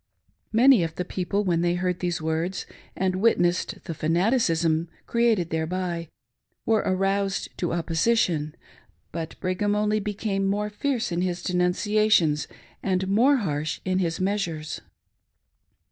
Many of the people, when they heard these words and witnessed the fanaticism created thereby, were aroused to opposition, but Brigham only became more fierce in his denunciations and more harsh in his measures.